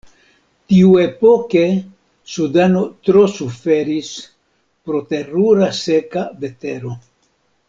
Tiuepoke, Sudano tro suferis pro terura seka vetero.